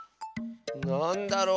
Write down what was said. なんだろう。